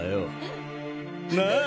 なあ？